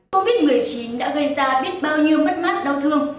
covid một mươi chín đã gây ra biết bao nhiêu mất mát đau thương